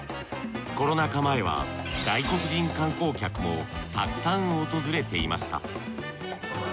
コロナ禍前は外国人観光客もたくさん訪れていました。